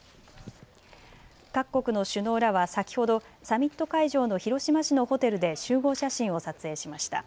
各国の首脳らは先ほどサミット会場の広島市のホテルで集合写真を撮影しました。